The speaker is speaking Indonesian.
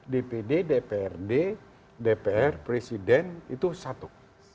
dpd dprd dpr presiden itu satu